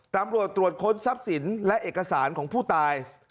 ตำรวจตรวจค้นทรัพย์สินและเอกสารของผู้ตาย